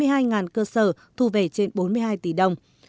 xử phạt gần hai mươi hai cơ sở thu về trên bốn mươi hai tỷ đồng